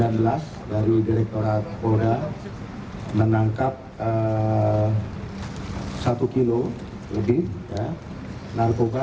hampir bersamaan tanggal sembilan belas dari direkturat polda menangkap satu kg lebih narkoba